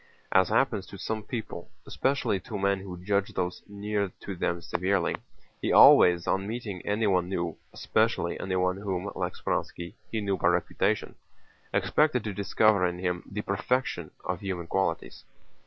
As happens to some people, especially to men who judge those near to them severely, he always on meeting anyone new—especially anyone whom, like Speránski, he knew by reputation—expected to discover in him the perfection of human qualities.